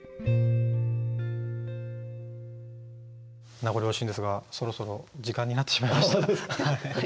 名残惜しいんですがそろそろ時間になってしまいました。